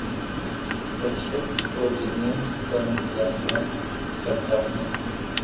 وحشت اورجنون کا مظاہرہ کرتا ہوں